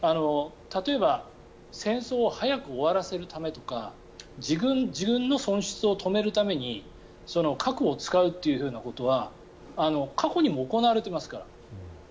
例えば戦争を早く終わらせるためとか自軍の損失を止めるために核を使うということは過去にも行われていますから。